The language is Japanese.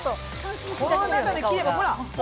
この中で切れば、ほら。